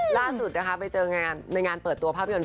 ล่าสุดนะคะไปเจอในงานเปิดตัวภาพยนตร์